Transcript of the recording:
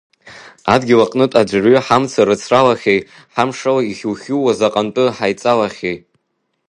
Адгьыл аҟнытә аӡәырҩы ҳамца рыцралахьеи, ҳамшала ихьухьууа заҟантәы ҳаиҵалахьеи.